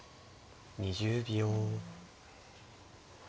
２０秒。